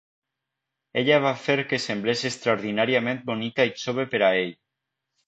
Ella va fer que semblés extraordinàriament bonica i jove per a ell.